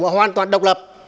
hoàn toàn độc lập